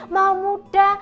mbak mirna mau muda